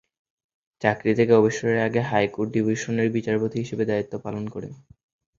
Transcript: চাকরি থেকে অবসরের আগে হাইকোর্ট ডিভিশনের বিচারপতি হিসেবে দ্বায়িত্ব পালন করেন।